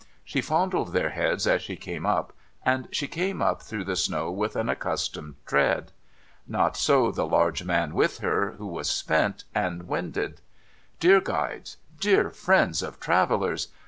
She fondled their heads as she came up, and she came up through the snow with an accustomed tread. Not so the large man with her, who was spent and winded. ' Dear guides, dear friends of travellers